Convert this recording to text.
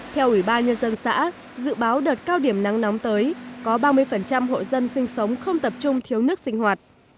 theo ủy ban nhân dân xã dự báo đợt cao điểm nắng nóng tới có ba mươi hộ dân sinh sống không tập trung thiếu nước sinh hoạt